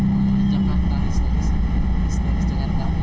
bus lens jakarta bus lens jakarta